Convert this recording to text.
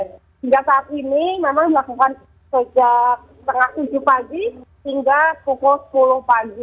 hingga saat ini memang dilakukan sejak tengah tujuh pagi hingga pukul sepuluh pagi